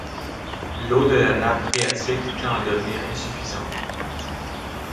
L'eau de la nappe phréatique tend à devenir insuffisante.